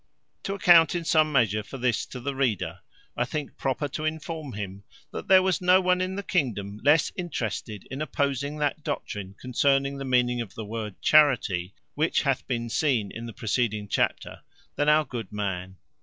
To account in some measure for this to the reader, I think proper to inform him, that there was no one in the kingdom less interested in opposing that doctrine concerning the meaning of the word charity, which hath been seen in the preceding chapter, than our good man.